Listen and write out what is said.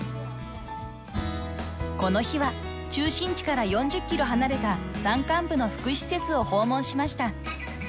［この日は中心地から４０ｋｍ離れた山間部の福祉施設を訪問しました］